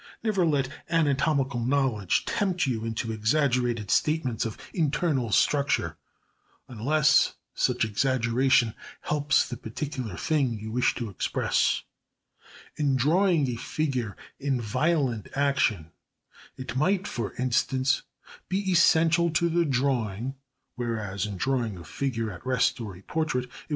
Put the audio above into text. Never let anatomical knowledge tempt you into exaggerated statements of internal structure, unless such exaggeration helps the particular thing you wish to express. In drawing a figure in violent action it might, for instance, be essential to the drawing, whereas in drawing a figure at rest or a portrait, it would certainly be out of place.